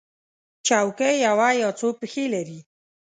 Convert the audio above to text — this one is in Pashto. چوکۍ یو یا څو پښې لري.